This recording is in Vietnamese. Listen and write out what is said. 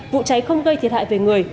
vụ cháy không gây thiệt hại về người